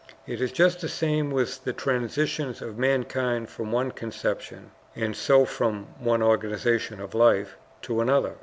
It is just the same with the transitions of mankind from one conception and so from one organization of life to another.